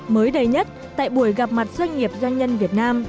mới đây nhất tại buổi gặp mặt doanh nghiệp doanh nhân việt nam